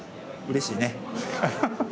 うれしいね。